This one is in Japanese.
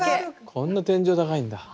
こんな天井高いんだ。